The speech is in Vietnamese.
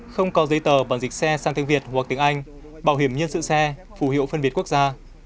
không có giấy tờ bản dịch xe sang tiếng việt hoặc tiếng anh bảo hiểm nhân sự xe phù hiệu phân biệt quốc gia